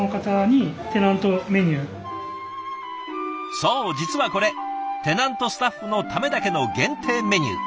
そう実はこれテナントスタッフのためだけの限定メニュー。